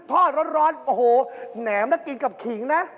ทอดร้อนแหนมน่ากินกับขิงนะ